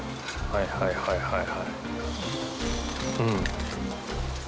はいはいはいはい。